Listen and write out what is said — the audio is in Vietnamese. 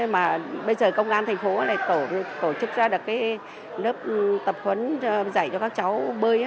mà bây giờ công an tp hcm tổ chức ra được lớp tập huấn dạy cho các cháu bơi